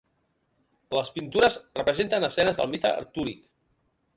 Les pintures representen escenes del mite artúric.